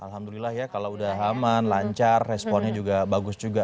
alhamdulillah ya kalau udah aman lancar responnya juga bagus juga